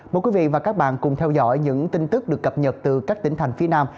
mời quý vị và các bạn cùng theo dõi những tin tức được cập nhật từ các tỉnh thành phía nam